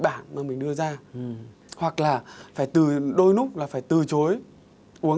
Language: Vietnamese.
để làm được điều đó